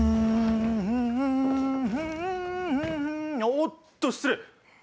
おおっと失礼！